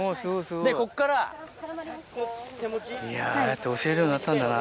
で、ここから、ああやって教えるようになったんだな。